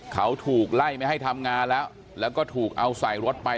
เขาถูกไล่ไม่ให้ทำงานแล้วแล้วก็ถูกเอาใส่รถไป